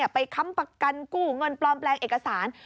ค้ำประกันกู้เงินปลอมแปลงเอกสาร